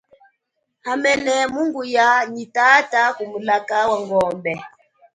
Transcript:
Hamene mungu ya nyi tata ku mulaka wa ngombe.